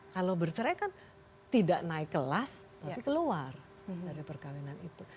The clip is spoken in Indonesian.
kalau bercerai kan tidak naik kelas tapi keluar dari perkawinan itu